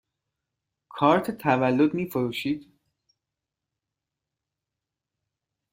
کارت تولد می فروشید؟